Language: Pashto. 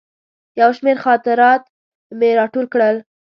یو شمېر خاطرات مې راټول کړل.